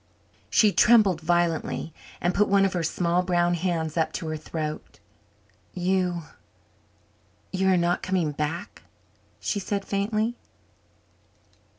She trembled violently and put one of her small brown hands up to her throat. "You you are not coming back?" she said faintly.